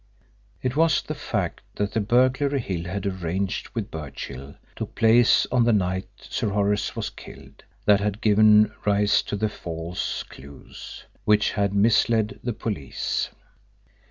It was the fact that the burglary Hill had arranged with Birchill took place on the night Sir Horace was killed that had given rise to the false clues which had misled the police.